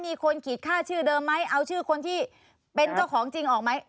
มีคนขีดค่าชื่อเดิมไหมเอาชื่อคนที่เป็นเจ้าของจริงออกไหม